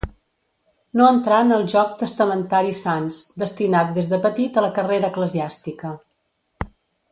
No entrà en el joc testamentari Sanç, destinat des de petit a la carrera eclesiàstica.